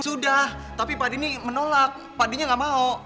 sudah tapi pak de ini menolak pak denya gak mau